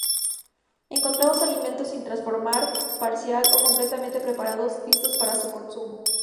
Encontramos alimentos sin transformar, parcial o completamente preparados listos para su consumo.